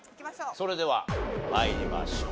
それでは参りましょう。